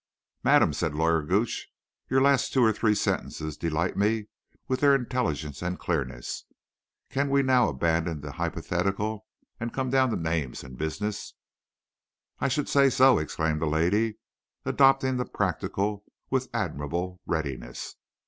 "Madam," said Lawyer Gooch, "your last two or three sentences delight me with their intelligence and clearness. Can we not now abandon the hypothetical and come down to names and business?" "I should say so," exclaimed the lady, adopting the practical with admirable readiness.